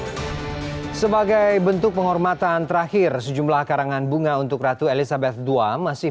hai sebagai bentuk penghormatan terakhir sejumlah karangan bunga untuk ratu elizabeth ii masih